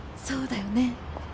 そうだよね。